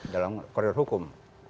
dalam koridor hukum